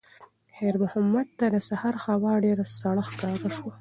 خیر محمد ته د سهار هوا ډېره سړه ښکاره شوه.